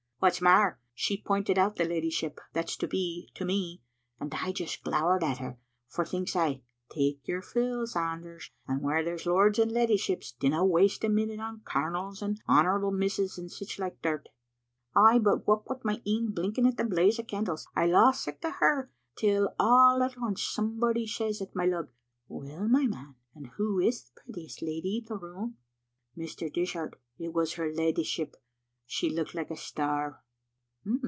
What's mair, she Digitized by VjOOQ IC JSbc XgwtUOL 91 pointed out the leddyship that's to be to me, and I just glowered at her, for thinks I, *Take your fill, Sanders, and whaur there's lords and leddyships, dinna waste a minute on colonels and honourable misses and sic like dirt.' Ay, but what wi' my een blinking at the blaze o' candles, I lost sicht o' her till all at aince somebody says at my lug, * Well, my man, and who is the prettiest lady in the room?' Mr. Dishart, it was her leddyship. She looked like a star."